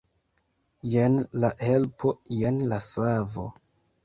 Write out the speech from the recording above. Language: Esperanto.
Jen la helpo, jen la savo!